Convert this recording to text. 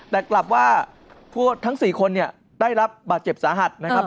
แต่กลับว่าทั้งสี่คนได้รับบาดเจ็บสาหัสนะครับ